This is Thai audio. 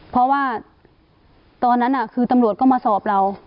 เพราะว่าตอนนั้นคือตำรวจก็มาสอบเรา